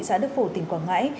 đất phổ tỉnh quảng ngãi